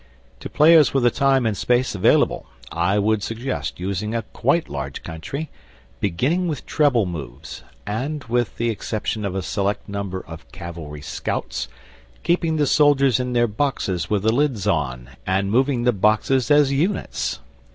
To players with the time and space available I would suggest using a quite large country, beginning with treble moves, and, with the exception of a select number of cavalry scouts, keeping the soldiers in their boxes with the lids on, and moving the boxes as units.